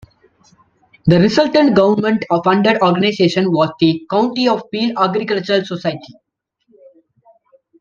The resultant government funded organization was the County of Peel Agricultural Society.